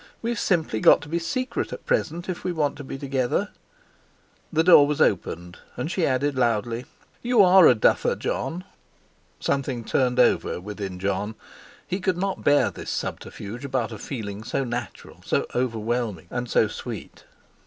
We've simply got to be secret at present, if we want to be together." The door was opened, and she added loudly: "You are a duffer, Jon." Something turned over within Jon; he could not bear this subterfuge about a feeling so natural, so overwhelming, and so sweet.